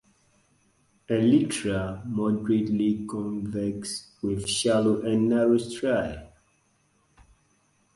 Elytra moderately convex with shallow and narrow striae.